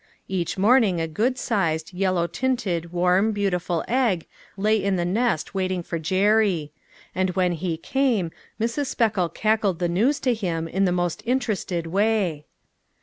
Each morning a good sized, yellow tinted, warm, beau tiful egg lay in the nest waiting for Jerry ; and when he came, Mrs. Speckle cackled the news to him in the most interested way.